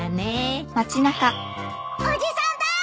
・おじさんだー！